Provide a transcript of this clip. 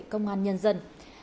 công an nhân dân